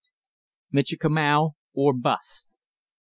"MICHIKAMAU OR BUST!"